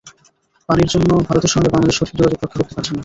পানির জন্য ভারতের সঙ্গে বাংলাদেশ সঠিক যোগাযোগ রক্ষা করতে পারছে না।